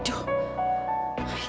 aduh itu siapa sih